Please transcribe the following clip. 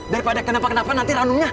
daripada kenapa kenapa nanti ranunya